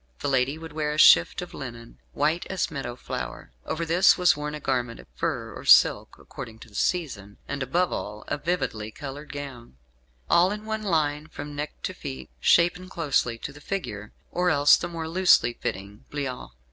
The lady would wear a shift of linen, "white as meadow flower." Over this was worn a garment of fur or silk, according to the season; and, above all, a vividly coloured gown, all in one line from neck to feet, shapen closely to the figure, or else the more loosely fitting bliaut.